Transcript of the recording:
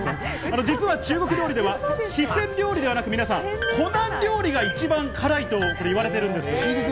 中国料理では四川料理ではなく湖南料理が一番辛いと言われているんです。